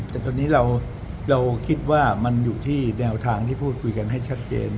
แต่ตอนนี้เราคิดว่ามันอยู่ที่แนวทางที่พูดคุยกันให้ชัดเจน